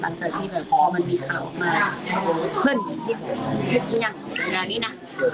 ในภายในตอนนี้แต่ว่า